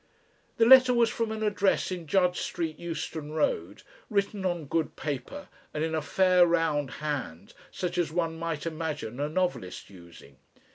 The letter was from an address in Judd Street, Euston Road, written on good paper and in a fair round hand such as one might imagine a novelist using.